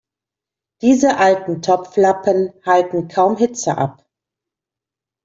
Diese alten Topflappen halten kaum Hitze ab.